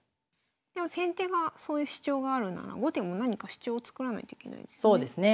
でも先手がそういう主張があるなら後手も何か主張を作らないといけないですね。